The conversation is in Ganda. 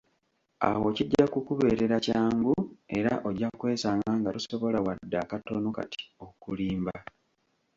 Awo kijja kukubeerera kyangu era ojja kwesanga nga tosobola wadde akatono kati okulimba.